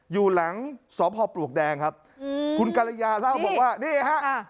อยู่หลังสอบหอบปลวกแดงครับอืมคุณกะละยาเล่าบอกว่านี่ฮะอ่า